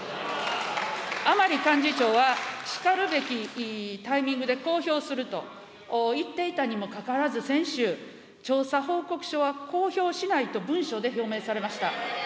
甘利幹事長は、しかるべきタイミングで公表すると言っていたにもかかわらず、先週、調査報告書は公表しないと文書で表明されました。